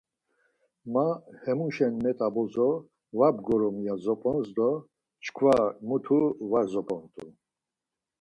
Ma hemuşen met̆a bozo var bgorum ya zop̌ons do çkva mutu var zop̌ont̆u.